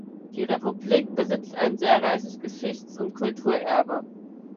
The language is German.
Die Republik besitzt ein sehr reiches Geschichts- und Kulturerbe.